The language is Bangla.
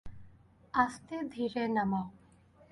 আস্তে ধীরে নামাও!